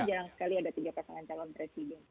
jarang sekali ada tiga pasangan calon presiden